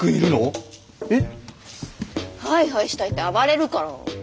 ハイハイしたいって暴れるから。